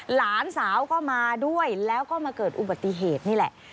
หลานสาวก็มาด้วยแล้วก็มาเกิดอุบัติเหตุนี่แหละ